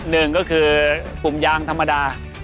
หนึ่งก็คือปุ่มยางธรรมดา